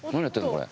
これ。